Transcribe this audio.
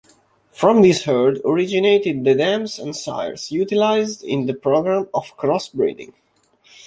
From this herd originated the dams and sires utilised in the program of crossbreeding.